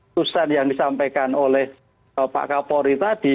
tusan yang disampaikan oleh pak kapolri tadi